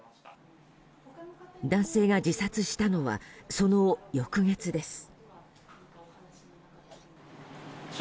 男性が自殺したのはその翌月です。